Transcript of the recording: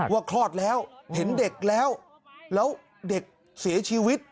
คลอดแล้วเห็นเด็กแล้วแล้วเด็กเสียชีวิต